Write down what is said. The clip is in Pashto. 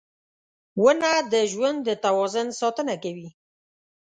• ونه د ژوند د توازن ساتنه کوي.